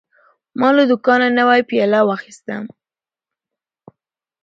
ما له دوکانه نوی پیاله واخیسته.